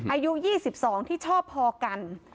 อายุ๒๒ที่ชอบพอกัน